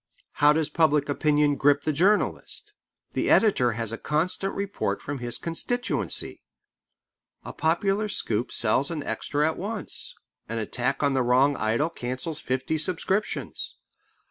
How does public opinion grip the journalist? The editor has a constant report from his constituency. A popular scoop sells an extra at once. An attack on the wrong idol cancels fifty subscriptions.